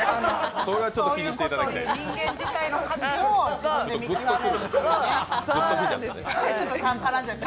そういうことを言う人間自体の価値を自分で見極めるのね。